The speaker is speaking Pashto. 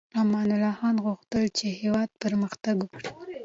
امان الله خان غوښتل چې هېواد پرمختګ وکړي.